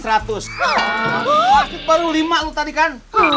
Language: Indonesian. masuk baru lima lu tadi kan